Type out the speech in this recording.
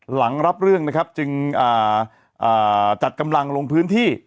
หลังรับเรื่องนะครับจึงจัดกำลังลงพื้นที่